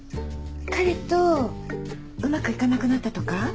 彼とうまくいかなくなったとか？